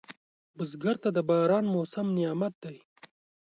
بزګر ته د باران موسم نعمت دی